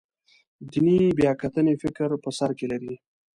دیني بیاکتنې فکر په سر کې لري.